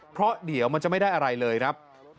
เพราะเดี๋ยวมันจะไม่ได้อะไรเลยครับ